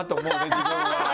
自分は。